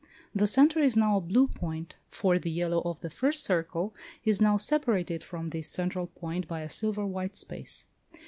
The centre is now a blue point; for the yellow of the first circle is now separated from this central point by a silver white space.